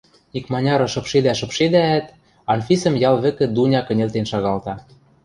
Икманяры шыпшедӓ-шыпшедӓӓт, Анфисӹм ял вӹкӹ Дуня кӹньӹлтен шагалта.